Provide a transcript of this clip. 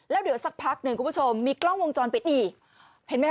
แล้วเดี๋ยวสักพักหนึ่งคุณผู้ชมมีกล้องวงจรปิดอีกเห็นไหมค